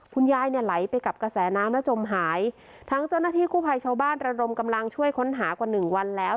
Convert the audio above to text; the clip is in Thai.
คุณยายเนี่ยไหลไปกับกระแสน้ำและจมหายทั้งเจ้าหน้าที่กู้ภัยชาวบ้านระดมกำลังช่วยค้นหากว่าหนึ่งวันแล้ว